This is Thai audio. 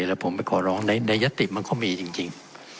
แล้วผมไปขอร้องในยติมันก็มีจริง